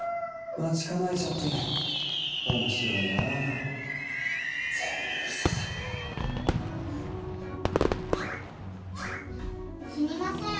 待ち構えちゃっておもしろいなぁ全部ウソさすみません